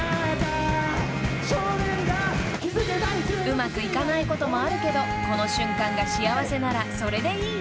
［うまくいかないこともあるけどこの瞬間が幸せならそれでいい］